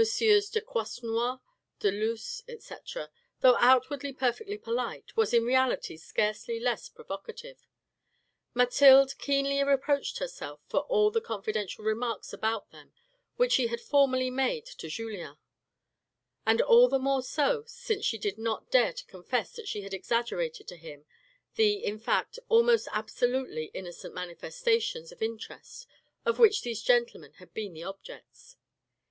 de Croisenois, de Luz, etc., though outwardly perfectly polite, was in reality scarcely less provocative. Mathilde keenly reproached herself for all the confidential remarks about them which she had formerly made to Julien, and all the more so since she did not dare to confess that she had exaggerated to him the, in fact, almost absolutely innocent manifestations of interest of which these gentlemen had been the objects.